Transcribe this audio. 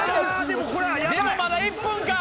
「でもまだ１分か」